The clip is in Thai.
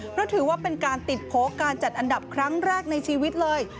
เพราะถือว่าเป็นการติดโพลการจัดอันดับครั้งแรกในชีวิตเลย